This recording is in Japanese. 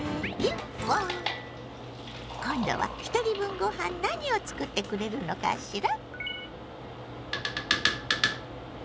今度はひとり分ご飯何を作ってくれるのかしら？